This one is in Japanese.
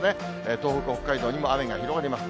東北、北海道にも雨が広がります。